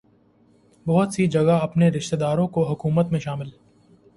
بہت سی جگہ اپنے رشتہ داروں کو حکومت میں شامل